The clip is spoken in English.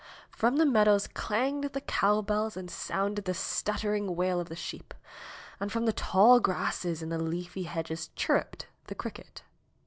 From the meadows clanged the cow bells and sounded the stuttering wail of the sheep, and from the tall grasses and the leafy hedges chirruped the cricket.